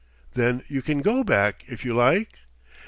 "Then you can go back, if you like?"